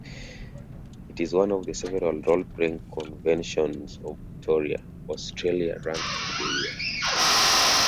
It is one of several Role-playing conventions of Victoria, Australia run through the year.